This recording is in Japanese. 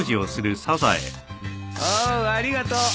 おっありがとう。